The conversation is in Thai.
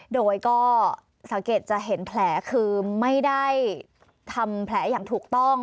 โดยก็สังเกตจะเห็นแผลคือไม่ได้ทำแผลอย่างถูกต้อง